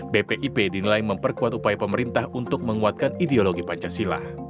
bpip dinilai memperkuat upaya pemerintah untuk menguatkan ideologi pancasila